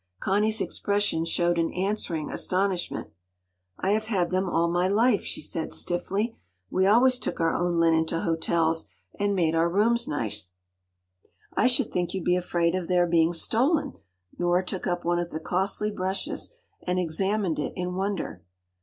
Connie’s expression showed an answering astonishment. “I have had them all my life,” she said stiffly. “We always took our own linen to hotels, and made our rooms nice.” “I should think you’d be afraid of their being stolen!” Nora took up one of the costly brushes, and examined it in wonder.